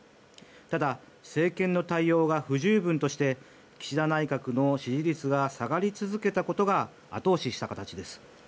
ただ、政権の対応が不十分として岸田内閣の支持率が下がり続けたことが後押しした形です。